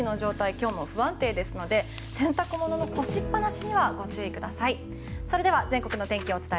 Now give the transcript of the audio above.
今日も不安定ですので洗濯物の干しっぱなしにはご注意ください。